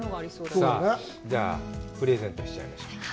じゃあプレゼントしちゃいましょう。